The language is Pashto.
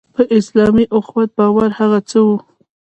په اسلامي اخوت باور هغه څه وو.